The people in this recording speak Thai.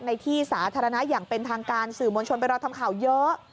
ในที่สาธารณะอย่างเป็นทางการสื่อมวลชนไปรอทำข่าวเยอะ